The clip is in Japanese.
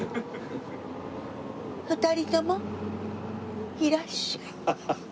「２人ともいらっしゃい」。